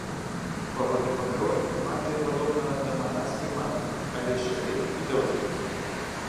Паводле пакрою, мантыя падобна да манаскай мантыі, але шырэй і даўжэй.